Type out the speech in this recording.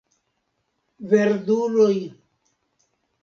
Verduloj